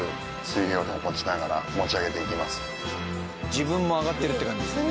自分も上がってるって感じですよね。